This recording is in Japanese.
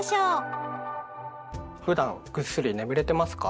ふだんぐっすり眠れてますか？